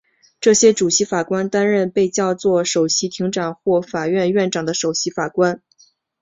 这些主席法官担任被叫作首席庭长或法院院长的首席法官。